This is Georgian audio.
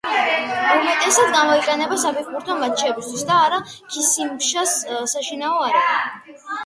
უმეტესად გამოიყენება საფეხბურთო მატჩებისთვის და არის „ქასიმფაშას“ საშინაო არენა.